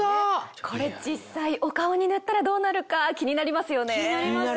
これ実際お顔に塗ったらどうなるか気になりますよね。